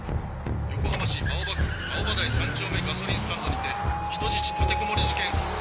横浜市青葉区青葉台３丁目ガソリンスタンドにて人質立てこもり事件発生。